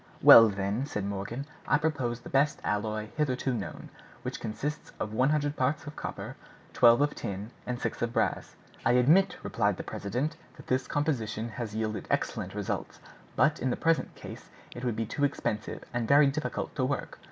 "Well, then," said Morgan, "I propose the best alloy hitherto known, which consists of one hundred parts of copper, twelve of tin, and six of brass." "I admit," replied the president, "that this composition has yielded excellent results, but in the present case it would be too expensive, and very difficult to work.